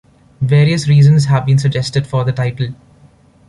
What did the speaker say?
Various reasons have been suggested for the title.